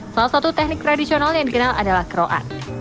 salah satu teknik tradisional yang dikenal adalah keroan